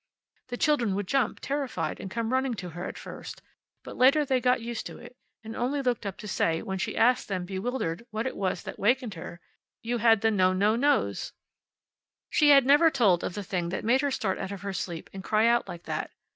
The children would jump, terrified, and come running to her at first, but later they got used to it, and only looked up to say, when she asked them, bewildered, what it was that wakened her, "You had the no no nos." She had never told of the thing that made her start out of her sleep and cry out like that.